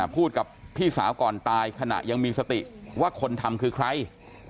พูดกับพี่สาวก่อนตายขณะยังมีสติว่าคนทำคือใคร